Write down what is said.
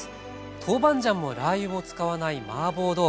豆板醤もラー油も使わないマーボー豆腐。